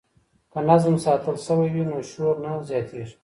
که نظم ساتل سوی وي نو شور نه زیاتیږي.